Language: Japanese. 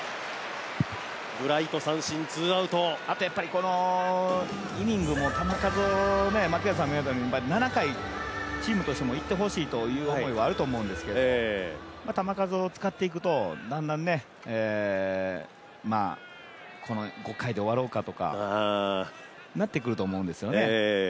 あと、このイニングも球数を７回、チームとしてもいってほしいという思いもあると思うんですけど球数を使っていくと、だんだんこの５回で終わろうかとかなってくると思うんですよね。